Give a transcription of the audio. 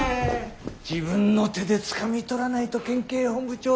自分の手でつかみ取らないと県警本部長賞は。